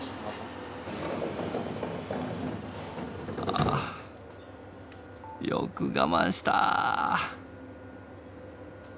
ああよく我慢した。